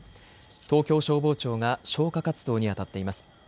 東京消防庁が消火活動に当たっています。